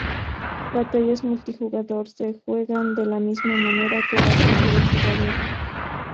Batallas multijugador se juegan de la misma manera que la de un solo jugador.